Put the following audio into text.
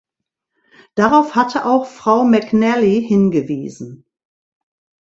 Darauf hatte auch Frau McNally hingewiesen.